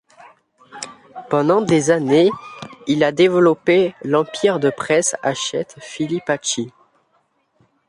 Pendant des années, il a développé l’empire de presse Hachette Filipacchi.